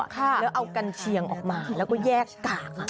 แล้วเอากัญเชียงออกมาแล้วก็แยกกาก